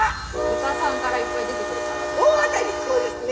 豚さんからいっぱい出てくるからですか。